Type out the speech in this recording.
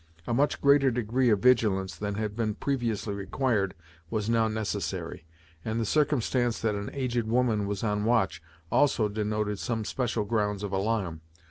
A much greater degree of vigilance than had been previously required was now necessary; and the circumstance that an aged woman was on watch also denoted some special grounds of alarm.